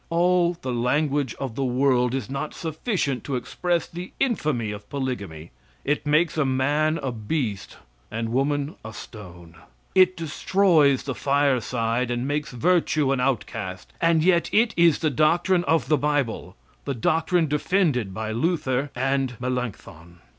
All the language of the world is not sufficient to express the infamy of polygamy; it makes man a beast and woman a stone. It destroys the fireside and makes virtue an outcast. And yet it is the doctrine of the bible the doctrine defended by Luther and Melanchthon!